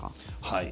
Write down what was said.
はい。